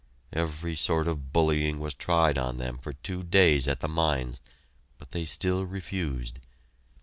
Every sort of bullying was tried on them for two days at the mines, but they still refused.